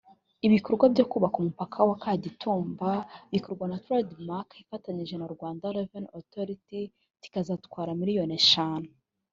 Ibikorwa byo kubaka umupaka wa Kagitumba bikorwa na Trade Mark ifatanyije na Rwanda Revenue Authority kikazatwara miliyari eshanu